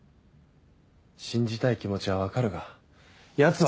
信じたい気持ちは分かるがヤツは。